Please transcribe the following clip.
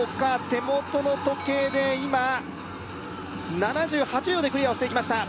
手元の時計で今７８秒でクリアをしていきました